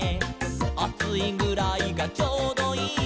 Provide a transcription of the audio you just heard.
「『あついぐらいがちょうどいい』」